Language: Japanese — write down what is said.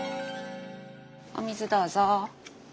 お水どうぞ。